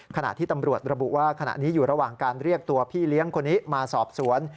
ขณะที่ตำรวจระบุว่าขณะนี้อยู่ระหว่างการเรียกตัวพี่เลี้ยงคนนี้มาสอบสวน